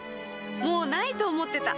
もう無いと思ってた